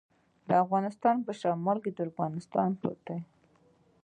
د افغانستان شمال ته ترکمنستان پروت دی